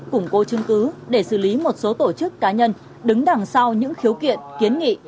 củng cố chứng cứ để xử lý một số tổ chức cá nhân đứng đằng sau những khiếu kiện kiến nghị